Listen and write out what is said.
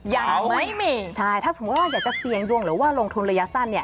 ยังไม่มีใช่ถ้าสมมุติว่าอยากจะเสี่ยงดวงหรือว่าลงทุนระยะสั้นเนี่ย